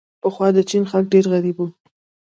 پخوا د چین خلک ډېر غریب وو.